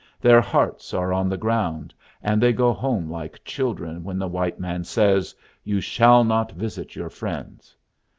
Their hearts are on the ground, and they go home like children when the white man says, 'You shall not visit your friends.'